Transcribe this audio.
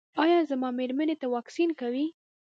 ایا زما میرمنې ته واکسین کوئ؟